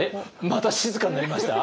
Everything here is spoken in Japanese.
また静かになりました？